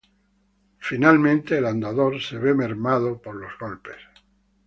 Finalmente, el andador se ve mermada por los golpes.